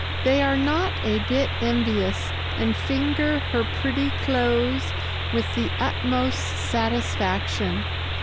They are not a bit envious, and finger her pretty clothes with the utmost satisfaction.